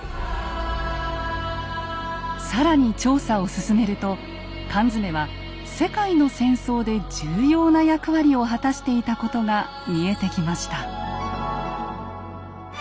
更に調査を進めると缶詰は世界の戦争で重要な役割を果たしていたことが見えてきました。